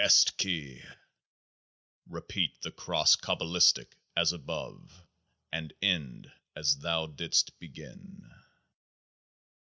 Repeat the Cross Qabalistic, as above, and end as thou didst begin.